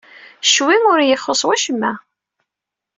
Ccwi ur iyi-ixuṣṣ wacemma.